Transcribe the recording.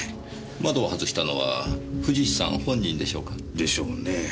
窓を外したのは藤石さん本人でしょうか？でしょうねえ。